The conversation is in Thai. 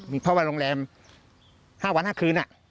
มีเพราะว่าโรงแรม๕วัน๕คืน